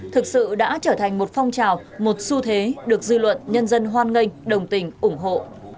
thực sự đã trở thành một phong trào một xu thế được dư luận nhân dân hoan nghênh đồng tình ủng hộ